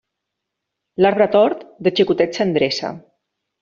L'arbre tort, de xicotet s'endreça.